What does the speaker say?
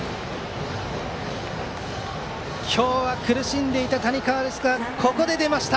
今日は苦しんでいた谷川ですがここで出ました。